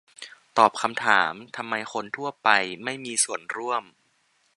ตอบคำถาม ทำไมคนทั่วไปไม่มีส่วนร่วม